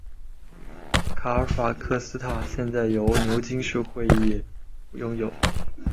卡尔法克斯塔现在由牛津市议会拥有。